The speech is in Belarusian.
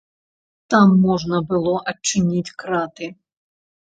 Там можна было адчыніць краты.